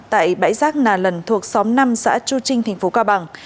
tại bãi giác nà lần thuộc xóm năm xã chu trinh tp cao bằng